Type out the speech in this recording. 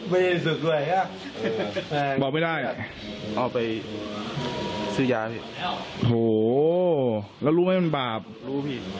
ไม่ได้ซึกด้วยบอกไม่ได้เอาไปซื้อยาพี่โถแล้วรู้ไม่เป็นบาปรู้ผิด